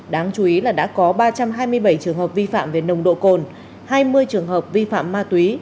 đáng chú ý là đã có ba trăm hai mươi bảy trường hợp vi phạm về nồng độ cồn hai mươi trường hợp vi phạm ma túy